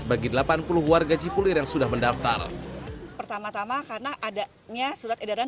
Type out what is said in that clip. bagi delapan puluh warga cipulir yang sudah mendaftar pertama tama karena adanya surat edaran